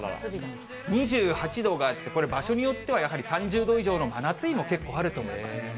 ２８度があって、これ、場所によってはやはり３０度以上の真夏日も結構あると思いますね。